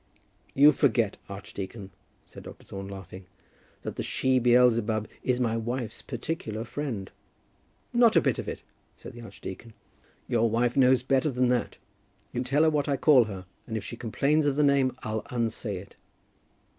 "You forget, archdeacon," said Dr. Thorne, laughing, "that the she Beelzebub is my wife's particular friend." "Not a bit of it," said the archdeacon. "Your wife knows better than that. You tell her what I call her, and if she complains of the name, I'll unsay it."